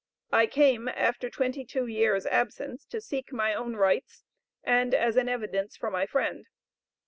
I came, after twenty two years' absence, to seek my own rights, and as an evidence for my friend.